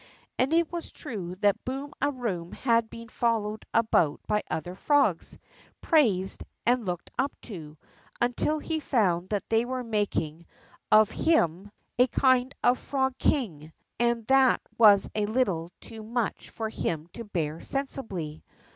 And it was true that Boom a Boom had been followed about by other frogs, praised, and looked up to, until he found they were making of him 24 THE ROCK FROG a kind of frog king, and that Avas a little too nincli for him to bear sensibly.